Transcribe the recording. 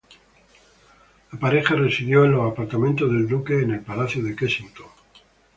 La pareja residió en los apartamentos del duque en el Palacio de Kensington.